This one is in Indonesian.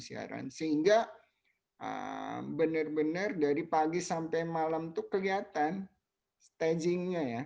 sehingga benar benar dari pagi sampai malam itu kelihatan stagingnya ya